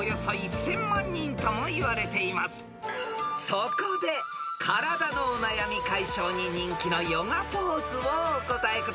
［そこで体のお悩み解消に人気のヨガポーズをお答えください］